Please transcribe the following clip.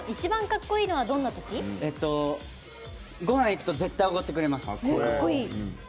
ごはん行くと絶対おごってくれます。